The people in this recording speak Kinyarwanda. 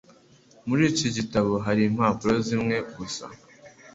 Muri iki gitabo hari impapuro zimwe gusa